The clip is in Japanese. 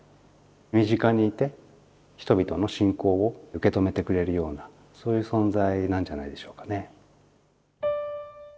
身近にいて人々の信仰を受け止めてくれるようなそういう存在なんじゃないでしょうかね。